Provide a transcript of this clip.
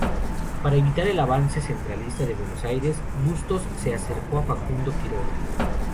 Para evitar el avance centralista de Buenos Aires, Bustos se acercó a Facundo Quiroga.